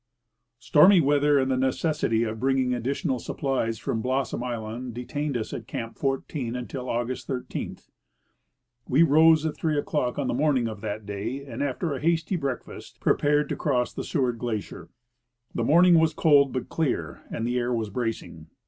Stormy Aveather and the necessity of bringing additional sup plies from Blossom island detained us at Camp 14 until August 13. We rose at three o'clock on the morning of that day, and, after a hasty breakfast, prepared to cross the ScAA^ard glacier. The morning was cold but clear, and the air was bracing.